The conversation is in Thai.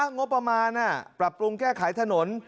งบประมาณปรับปรุงแก้ไขถนน